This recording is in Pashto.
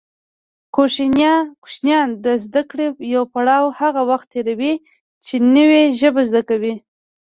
کوشنیان د زده کړې يو پړاو هغه وخت تېروي چې نوې ژبه زده کوي